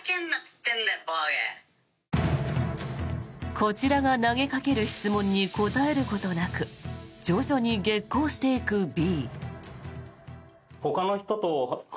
こちらが投げかける質問に答えることなく徐々に激高していくＢ。